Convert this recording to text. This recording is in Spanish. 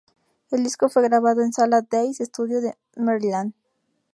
El disco fue grabado en Salad Days Studio en Maryland.